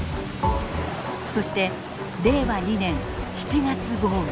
そして令和２年７月豪雨。